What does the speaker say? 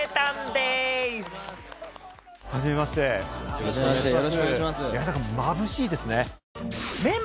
よろしくお願いします。